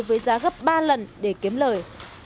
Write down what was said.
với giá gấp ba lần để kiếm lời